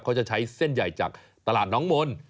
เขาจะใช้เส้นใหญ่จากตลาดน้องมนต์